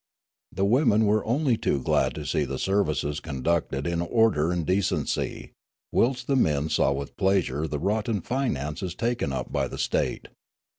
The women were only too glad to see the services conducted in order and decency, whilst the men saw with pleasure the rotten finances taken up by the state.